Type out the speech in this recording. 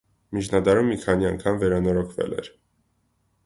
Միջնադարում մի քանի անգամ վերանորոգվել էր։